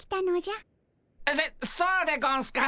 そそうでゴンスか。